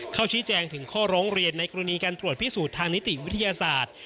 เข้าชี้แจงถึงข้อร้องเรียนในกรณีการตรวจพิสูจน์ทางนิติวิทยาศาสตร์